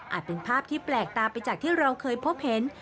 เป็นภาพที่แปลกตาไปจากที่เราเคยพบเห็น